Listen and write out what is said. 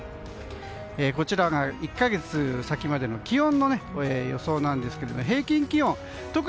こちらが１か月先までの気温の予想なんですけども平均気温です。